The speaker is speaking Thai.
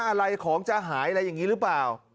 อะไรของจะหายอะไรอย่างนี้หรือเปล่า